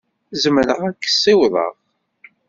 Zemreɣ ad k-ssiwḍeɣ.